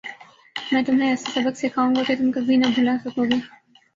میں تمہیں ایسا سبق سکھاؤں گا کہ تم کبھی نہ بھلا سکو گے